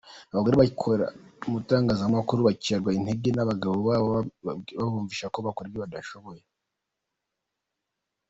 Abagore bakora itangazamakuru bacibwa intege n’abagabo babayobora babumvisha ko badashoboye.